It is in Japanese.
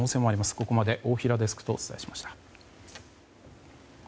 ここまで大平デスクとお伝えしました。